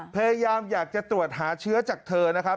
พยายามอยากจะตรวจหาเชื้อจากเธอนะครับ